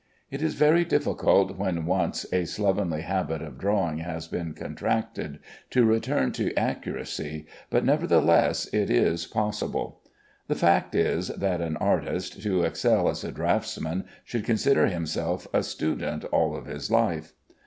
It is very difficult, when once a slovenly habit of drawing has been contracted, to return to accuracy; but nevertheless it is possible. The fact is, that an artist, to excel as a draughtsman, should consider himself a student all his life.